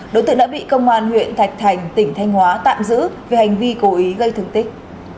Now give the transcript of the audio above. đối tượng đã bị công an huyện thạch thành tỉnh thanh hóa tạm giữ vì hành vi cố ý gây thương tích